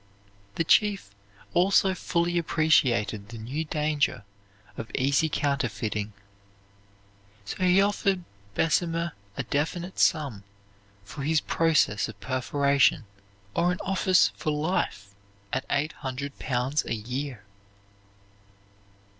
The chief also fully appreciated the new danger of easy counterfeiting. So he offered Bessemer a definite sum for his process of perforation, or an office for life at eight hundred pounds a year.